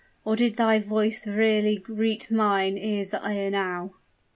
or did thy voice really greet mine ears ere now!"